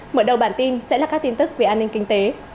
mở đầu bản tin sẽ là các tin tức về an ninh kinh tế